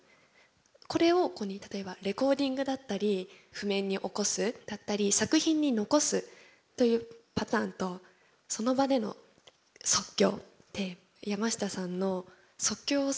これを例えばレコーディングだったり譜面に起こすだったり作品に残すというパターンとその場での即興って山下さんの即興をし続ける